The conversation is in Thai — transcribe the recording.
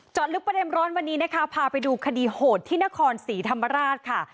ลึกประเด็นร้อนวันนี้นะคะพาไปดูคดีโหดที่นครศรีธรรมราชค่ะ